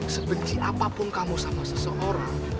sebenci apapun kamu sama seseorang